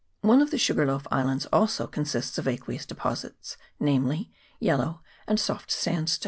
One of the Sugarloaf Islands also consists of aqueous deposits, namely, yellow and soft sandstone.